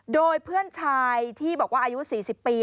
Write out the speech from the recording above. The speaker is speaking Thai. โดยเพื่อนชายที่บอกว่าอายุ๔๐ปี